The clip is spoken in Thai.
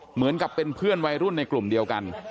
เหมือนกับเป็นเพื่อนวัยรุ่นในกลุ่มเดียวกัน